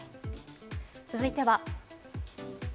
続いては。